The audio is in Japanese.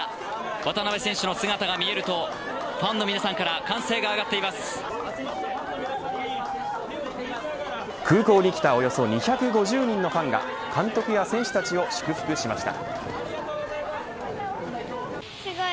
渡邊選手の姿が見えるとファンの皆さんから空港に来たおよそ２５０人のファンが監督や選手たちを祝福しました。